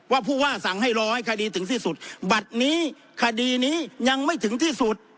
ผู้ว่าสั่งให้รอให้คดีถึงที่สุดบัตรนี้คดีนี้ยังไม่ถึงที่สุด